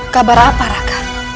kabar apa raka